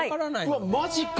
うわマジか。